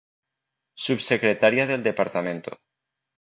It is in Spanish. Subsecretaria del Departamento.